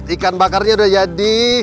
ikan bakarnya udah jadi